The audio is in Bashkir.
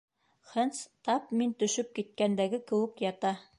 Хэндс тап мин төшөп киткәндәге кеүек ята.